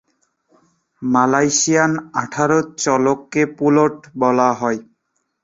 মালয়েশিয়ায়, আঠালো চালকে পুলট বলা হয়।